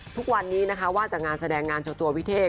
ทุกวันนี้วาดจากงานแสดงงานช่วยตัวพิเทศ